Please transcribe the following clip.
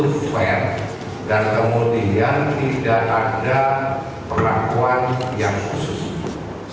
itu fair dan kemudian tidak ada perlakuan yang khusus